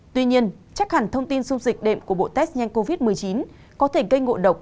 tuy nhiên chắc hẳn thông tin dung dịch đệm của bộ test nhanh covid một mươi chín có thể gây ngộ độc